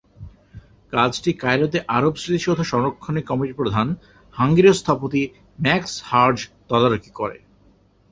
কাজটি কায়রোতে আরব স্মৃতিসৌধ সংরক্ষণের কমিটির প্রধান হাঙ্গেরীয় স্থপতি ম্যাক্স হার্জ তদারকি করে।